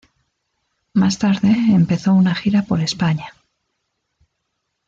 Más tarde empezó una gira por España.